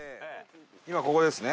今ここですね。